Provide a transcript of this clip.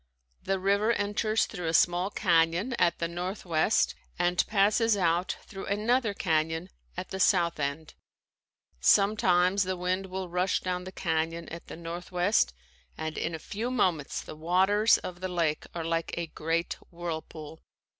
The river enters through a small canyon at the northwest and passes out through another canyon at the south end. Sometimes the wind will rush down the canyon at the northwest and in a few moments the waters of the lake are like a great whirlpool.